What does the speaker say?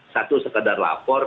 satu sekedar lapor